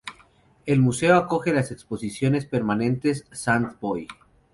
El museo acoge las exposiciones permanentes "Sant Boi.